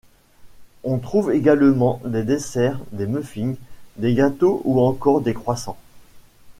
On trouve également des desserts, des muffins, des gâteaux ou encore des croissants.